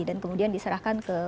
dan kemudian diserahkan ke kppi